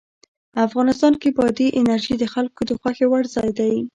افغانستان کې بادي انرژي د خلکو د خوښې وړ ځای دی.